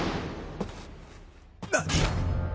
何？